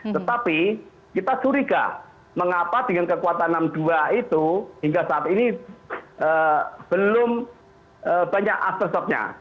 tetapi kita curiga mengapa dengan kekuatan enam dua itu hingga saat ini belum banyak aftershopnya